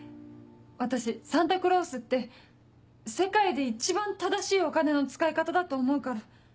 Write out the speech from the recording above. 私サンタクロースって世界で一番正しいお金の使い方だと思うから。